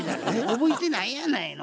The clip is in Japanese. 覚えてないやないの。